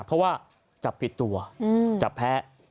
เพราะว่าจับปิดตัวจับแพ้